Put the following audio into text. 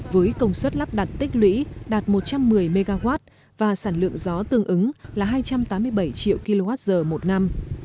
với công suất lắp đặt tích lũy đạt một trăm một mươi mw và sản lượng gió tương ứng là hai trăm tám mươi bảy triệu kwh một năm